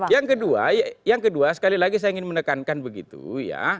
yang kedua yang kedua sekali lagi saya ingin menekankan begitu ya